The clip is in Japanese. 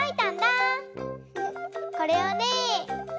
これをね